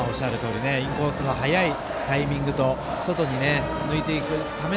インコースの早いタイミングと外に抜いていくため